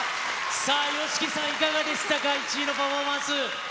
さあ、ＹＯＳＨＩＫＩさん、いかがでしたか、１位のパフォー